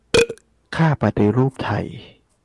'ค่าปฎิรูปไทย'